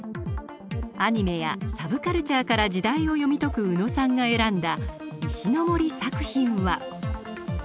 アニメやサブカルチャーから時代を読み解く宇野さんが選んだ石森作品は？